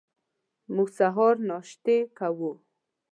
موږ سهار ناشتې کوو.